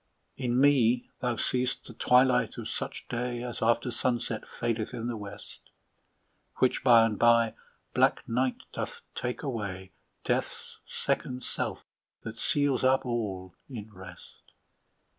In me thou seest the twilight of such day, As after sunset fadeth in the west, Which by and by black night doth take away, Death's second self that seals up all in rest.